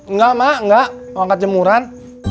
nggak ma nggak mau angkat gemuran